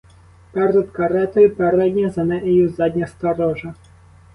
Перед каретою передня, за нею задня сторожа.